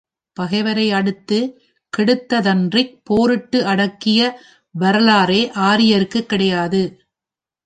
பகைவரை அடுத்துக் கெடுத்ததன்றிப் போரிட்டு அடக்கிய வரலாறே ஆரியருக்குக் கிடையாது.